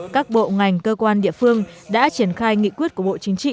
các bộ ngành cơ quan địa phương đã triển khai nghị quyết của bộ chính trị